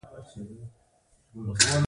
آیا د ایران پتروکیمیکل صنعت پرمختللی نه دی؟